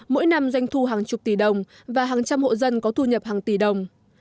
mỗi năm doanh thu hàng chục tỷ đồng và hàng trăm hộ dân có thu nhập hàng tỷ đồng